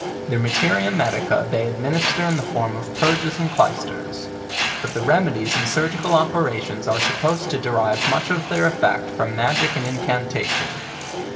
Their mate ria medica they administer in the form of purges and clys ters; but the remedies and surgical operations are supposed to derive much of their effect from magic and incantation.